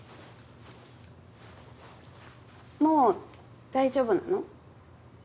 もう大丈夫なの？